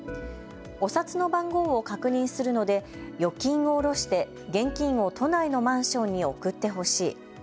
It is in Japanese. お札の番号を確認するので預金を下ろして現金を都内のマンションに送ってほしい。